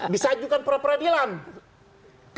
bisa ajukan para peradik